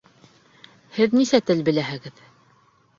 Һеҙ нисә тел беләһегеҙ?